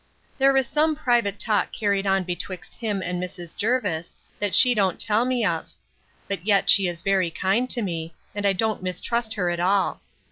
There is some private talk carried on betwixt him and Mrs. Jervis, that she don't tell me of; but yet she is very kind to me, and I don't mistrust her at all.